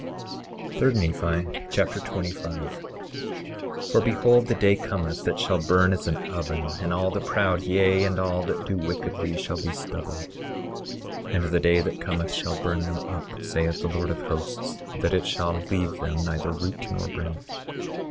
3 Nephi Chapter 25 25:1 For behold, the day cometh that shall burn as an oven; and all the proud, yea, and all that do wickedly, shall be stubble; and the day that cometh shall burn them up, saith the Lord of Hosts, that it shall leave them neither root nor branch.